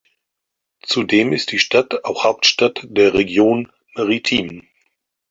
Zudem ist die Stadt auch Hauptstadt der Region Maritime.